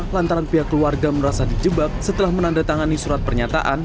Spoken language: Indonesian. lantaran pihak keluarga merasa dijebak setelah menandatangani surat pernyataan